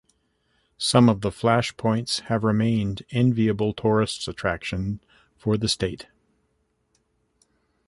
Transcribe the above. Some of the flash points have remained enviable tourists' attraction for the state.